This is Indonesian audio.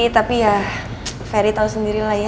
tapi ya ferry tahu sendiri lah ya